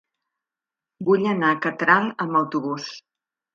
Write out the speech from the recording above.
Vull anar a Catral amb autobús.